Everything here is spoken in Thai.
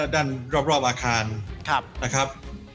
ด้านรอบอาคารนะครับ